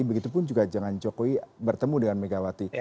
begitupun juga jangan jokowi bertemu dengan megawati